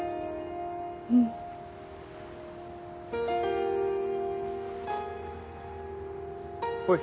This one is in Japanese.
うん。ほい。